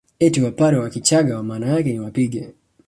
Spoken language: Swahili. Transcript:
Eti Wapare kwa Kichagga maana yake ni wapige